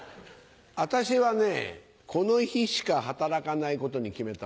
私はねこの日しか働かないことに決めたんです。